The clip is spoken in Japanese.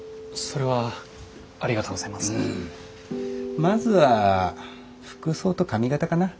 まずは服装と髪形かな。